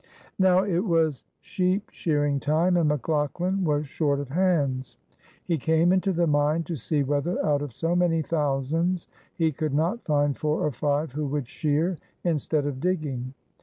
Now it was sheep shearing time and McLaughlan was short of hands; he came into the mine to see whether out of so many thousands he could not find four or five who would shear instead of digging.